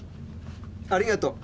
ありがとう。